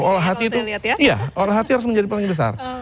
olah hati itu harus menjadi paling besar